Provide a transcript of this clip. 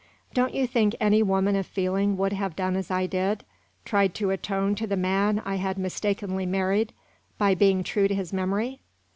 Don't you think any woman of feeling would have done as I did tried to atone to the man I had mistakenly married by being true to his memory?